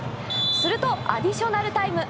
すると、アディショナルタイム。